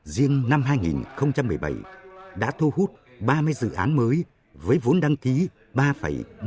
riêng năm hai nghìn một mươi bảy đã thu hút ba mươi dự án mới với vốn đăng ký hơn một mươi một tỷ usd